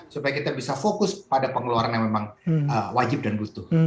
supaya kita bisa fokus pada pengeluaran yang memang wajib dan butuh